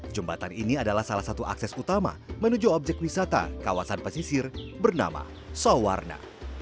jembatan ini adalah salah satu akses utama menuju objek wisata kawasan pesisir bernama sawarna